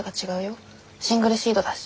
シングルシードだし。